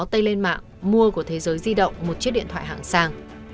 tây lên mạng mua của thế giới di động một chiếc điện thoại hạng sang